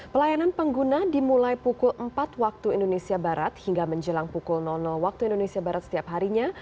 pelayanan pengguna dimulai pukul empat waktu indonesia barat hingga menjelang pukul waktu indonesia barat setiap harinya